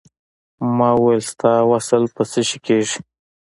ما وویل ستا وصل په څه شی کېږي.